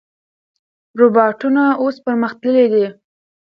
روباټونه اوس پرمختللي دي.